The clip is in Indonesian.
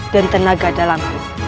dan tenaga dalamku